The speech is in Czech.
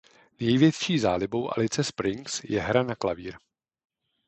Největší zálibou Alice Springs je hra na klavír.